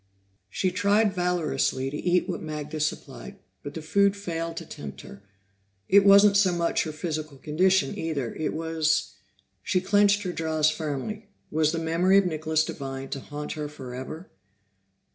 She tried valorously to eat what Magda supplied, but the food failed to tempt her. It wasn't so much her physical condition, either; it was She clenched her jaws firmly; was the memory of Nicholas Devine to haunt her forever?